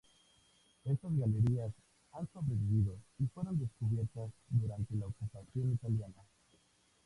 Estas galerías han sobrevivido y fueron redescubiertas durante la ocupación italiana.